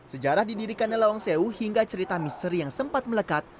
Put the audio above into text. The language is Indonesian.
sejarah didirikannya lawang sewu hingga cerita misteri yang sempat melekat